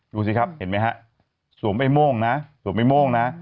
ดูสิครับเห็นไหมฮะสวมไอ้โม่งนะ